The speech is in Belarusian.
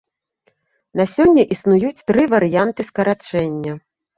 На сёння існуюць тры варыянты скарачэння.